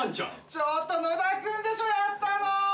ちょっと野田くんでしょやったの！